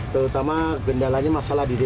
terutama gendalanya masalah di dp pak